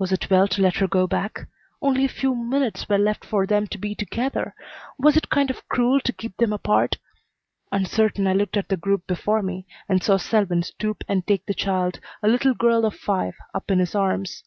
Was it well to let her go back? Only a few minutes were left for them to be together. Was it kind or cruel to keep them apart? Uncertain, I looked at the group before me and saw Selwyn stoop and take the child, a little girl of five, up in his arms.